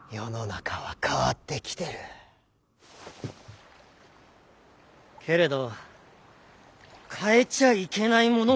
けれど変えちゃいけないものもあるんです。